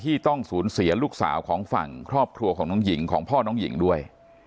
ที่ต้องสูญเสียลูกสาวของฝั่งครอบครัวของน้องหญิงของพ่อน้องหญิงด้วย